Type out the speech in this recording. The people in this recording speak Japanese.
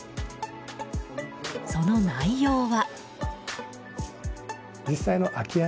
その内容は。